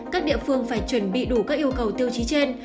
các địa phương phải chuẩn bị đủ các yêu cầu tiêu chí trên